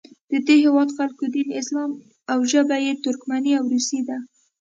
د دې هیواد خلکو دین اسلام او ژبه یې ترکمني او روسي ده.